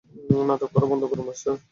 নাটক করা বন্ধ করুন, মাস্টার!